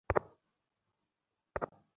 Record নিশ্চয়ই কোথাও রাখা হয়।